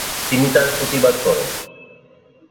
তিনি তার প্রতিবাদ করেন।